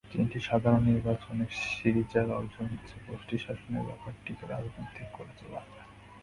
তিনটি সাধারণ নির্বাচনে সিরিজার অর্জন হচ্ছে গোষ্ঠীশাসনের ব্যাপারটিকে রাজনৈতিক করে তোলা।